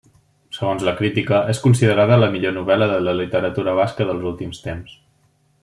Segons la crítica, és considerada la millor novel·la de la literatura basca dels últims temps.